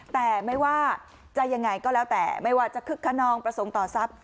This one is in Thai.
แต่ไม่ว่าจะยังไงก็แล้วแต่ไม่ว่าจะคึกขนองประสงค์ต่อทรัพย์